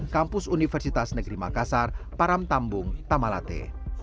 kampus universitas negeri makassar param tambung tamalate